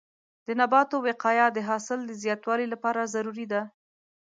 د نباتو وقایه د حاصل د زیاتوالي لپاره ضروري ده.